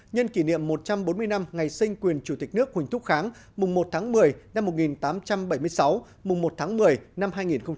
nhân kỷ niệm một trăm bốn mươi năm ngày sinh quyền chủ tịch nước huỳnh thúc kháng mùng một tháng một mươi năm một nghìn tám trăm bảy mươi sáu mùng một tháng một mươi năm hai nghìn một mươi chín